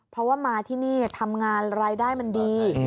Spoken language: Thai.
เพราะว่ามาที่นี่ทำงานรายได้มันดี